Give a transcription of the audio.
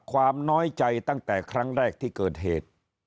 ความน้อยใจตั้งแต่ครั้งแรกที่เกิดเหตุ